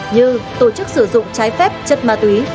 như tổ chức sử dụng trái phép chất ma túy